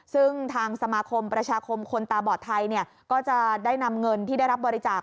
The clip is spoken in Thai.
ซึ่งทางสมาคมประชาคมคนตาบอดไทยก็จะได้นำเงินที่ได้รับบริจาค